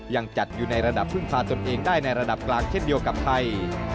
ยังจัดอยู่ในระดับพึ่งพาตนเองได้ในระดับกลางเช่นเดียวกับไทย